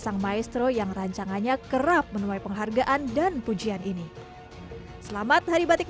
sang maestro yang rancangannya kerap menuai penghargaan dan pujian ini selamat hari batik